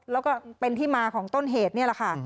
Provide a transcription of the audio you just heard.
แล้วก็เป็นที่มาของต้นเหตุนี่แหละค่ะ